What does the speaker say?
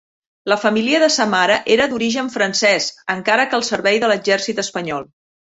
La família de sa mare era d'origen francès encara que al servei de l'exèrcit espanyol.